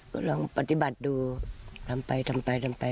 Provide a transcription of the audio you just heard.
แล้วลองปฏิบัติดูทำไป